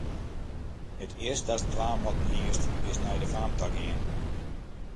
It earste datst dwaan moatten hiest, is nei de faam ta gean.